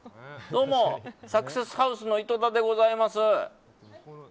どうも、サクセスハウスの井戸田でございます。